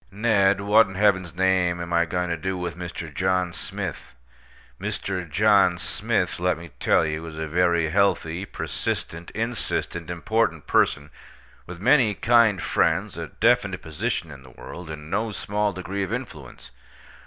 Ned, what in Heaven's name am I going to do with Mr. John Smith? Mr. John Smith, let me tell you, is a very healthy, persistent, insistent, important person, with many kind friends, a definite position in the world, and no small degree of influence.